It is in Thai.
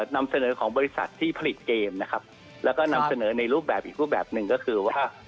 นำเสนอของบริษัทที่ผลิตเกมนะครับแล้วก็นำเสนอในรูปแบบอีกรูปแบบหนึ่งก็คือว่า